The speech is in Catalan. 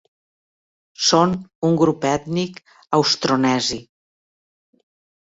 Són un grup ètnic austronesi.